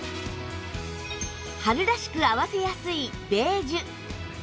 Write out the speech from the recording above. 春らしく合わせやすいベージュ